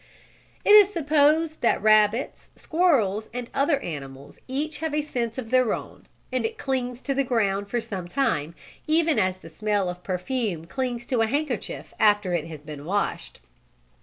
It is supposed that rabbits, squirrels and other animals each have a scent of their own, and it clings to the ground for some time, even as the smell of perfume clings to a handkerchief after it has been washed.